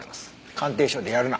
鑑定書でやるな。